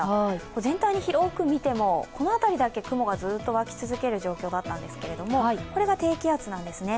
全体に広く見ても、このあたりだけ雲がずっと湧き続ける状況だったんですけれども、これが低気圧なんですね。